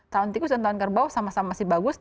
tahun tikus dan tahun kerbau sama sama masih bagus